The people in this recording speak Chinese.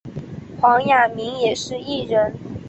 黄雅珉也是艺人。